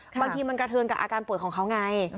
บางทีมันกระเทินกับอาการป่วยของเขาไง